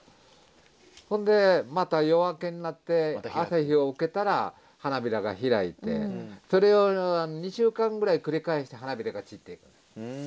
ほんでまた夜明けになって朝日を受けたら花びらが開いてそれを２週間ぐらい繰り返して花びらが散っていく。